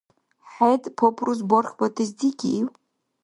ХӀед папрус бархьбатес дигив?